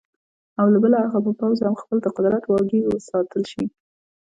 او له بله اړخه به پوځ هم خپل د قدرت واګې وساتلې شي.